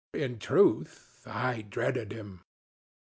In truth, I dreaded him.